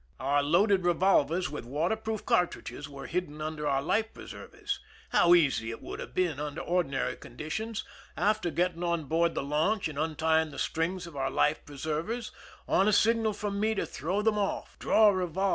Our loaded revolvers with waterproof cartridges were hidden under our life preservers. How easy it would have been, under ordinary conditions, after getting on board the launch and untying the strings of our life preservers, on a signal from me to throw them ,off, draw revolvers 164 ;:%t ^^:; 4 ^ K:i%^fi "* j iw: v; ^mem